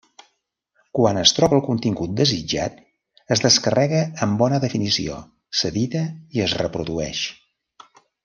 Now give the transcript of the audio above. Quan es troba el contingut desitjat, es descarrega amb bona definició, s'edita i es reprodueix.